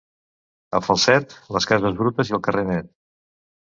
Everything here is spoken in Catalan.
A Falset, les cases brutes i el carrer net.